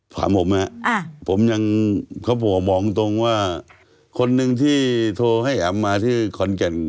ถามผมฮะผมยังครอบครัวบอกตรงว่าคนหนึ่งที่โทรให้แอ๋มมาที่ขอนแก่น